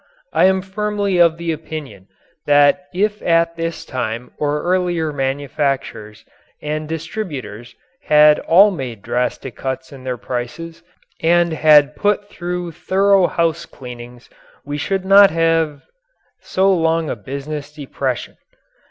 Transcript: I am firmly of the opinion that if at this time or earlier manufacturers and distributors had all made drastic cuts in their prices and had put through thorough house cleanings we should not have so long a business depression.